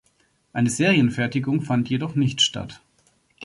Eine Serienfertigung fand jedoch nicht statt.